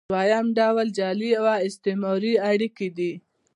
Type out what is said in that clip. دویم ډول جعلي او استثماري اړیکې دي.